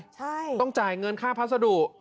ใช่ต้องจ่ายเงินค่าพัสดุ